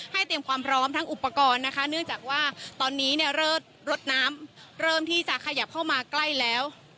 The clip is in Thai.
เตรียมความพร้อมทั้งอุปกรณ์นะคะเนื่องจากว่าตอนนี้เนี่ยรถน้ำเริ่มที่จะขยับเข้ามาใกล้แล้ว